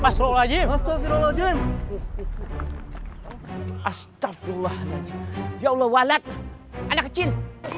masrohlajim astagfirullahaladzim astagfirullahaladzim ya allah walad anak kecil